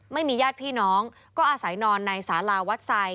ไม่มีญาติพี่น้องก็อาศัยนอนในสาราวัดไซด